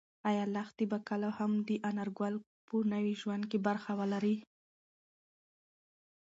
ایا لښتې به کله هم د انارګل په نوي ژوند کې برخه ولري؟